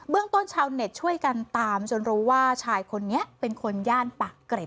ต้นชาวเน็ตช่วยกันตามจนรู้ว่าชายคนนี้เป็นคนย่านปากเกร็ด